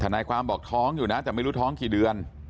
นายความบอกท้องอยู่นะแต่ไม่รู้ท้องกี่เดือน